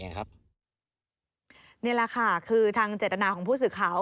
นี่แหละค่ะคือทางเจตนาของผู้สื่อข่าว